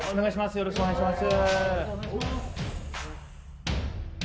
よろしくお願いします。